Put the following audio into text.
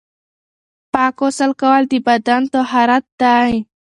پاک غسل کول د بدن طهارت دی.